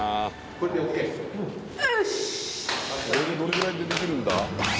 これでどれくらいでできるんだ？